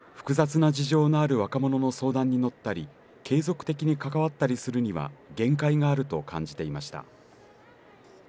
一方で人目につく屋外のテントだけでは複雑な事情のある若者の相談に乗ったり継続的に関わったりするには限界があると感じていました。